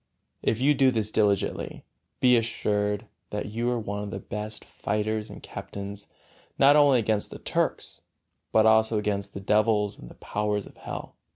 If you do this diligently, be assured you are one of the best fighters and captains, not only against the Turks, but also against the devils and the powers of hell.